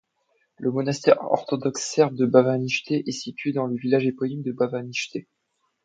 Le monastère orthodoxe serbe de Bavanište est situé dans le village éponyme de Bavanište.